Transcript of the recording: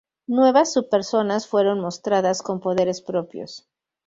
Nuevas sub-personas fueron mostradas con poderes propios.